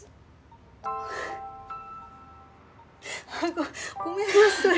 ごごめんなさい。